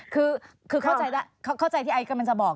คือเข้าใจที่ไอ้กำลังจะบอก